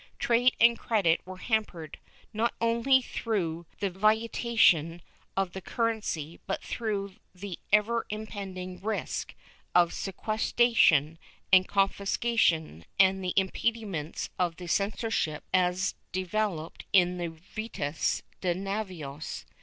Trade and credit were hampered, not only through the vitiation of the currency but through the ever impending risk of sequestration and confiscation, and the impediments of the censor ship as developed in the visitas de navios.